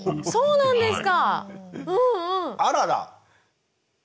そうなんですね。